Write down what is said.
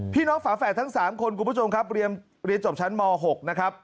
ฝาแฝดทั้ง๓คนคุณผู้ชมครับเรียนจบชั้นม๖นะครับ